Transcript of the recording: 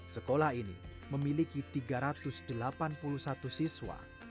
sekolah ini memiliki tiga ratus delapan puluh satu siswa